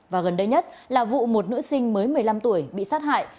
và gần đây nhất là vụ một nữ sinh mới một mươi năm tuổi bị sát hại